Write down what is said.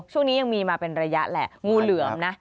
ช่วงนี้ยังมีมาเป็นระยะแหละงูเหลือมนะ